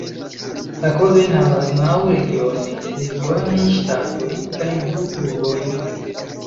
La kodojn havas naŭ regionoj (regionaj ŝtatoj) kaj du urboj.